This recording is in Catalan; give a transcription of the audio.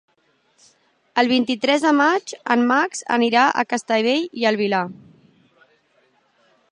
El vint-i-tres de maig en Max anirà a Castellbell i el Vilar.